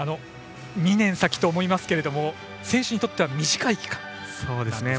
２年先と思いますけど選手にとっては短い期間ですね。